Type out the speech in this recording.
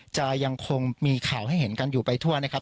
จะยังคงมีข่าวให้เห็นกันอยู่ไปทั่วนะครับ